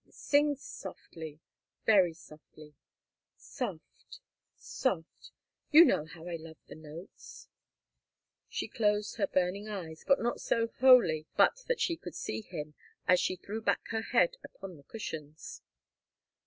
Sing softly, very softly soft, soft you know how I love the notes " She closed her burning eyes, but not so wholly but what she could see him, as she threw back her head upon the cushions.